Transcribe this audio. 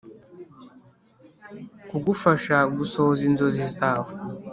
kugufasha gusohoza inzozi zawe.